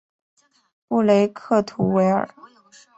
布雷克图维尔。